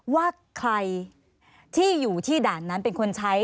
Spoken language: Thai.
ว่าใครที่อยู่ที่ด่านนั้นเป็นคนใช้